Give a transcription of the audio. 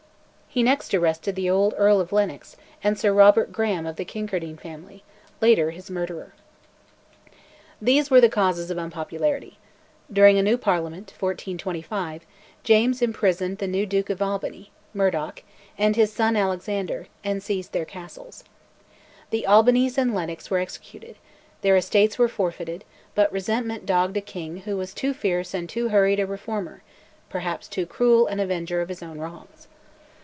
He next arrested the old Earl of Lennox, and Sir Robert Graham of the Kincardine family, later his murderer. These were causes of unpopularity. During a new Parliament (1425) James imprisoned the new Duke of Albany (Murdoch) and his son Alexander, and seized their castles. The Albanys and Lennox were executed; their estates were forfeited; but resentment dogged a king who was too fierce and too hurried a reformer, perhaps too cruel an avenger of his own wrongs.